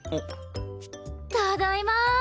ただいま。